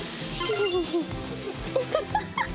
ハハハハッ！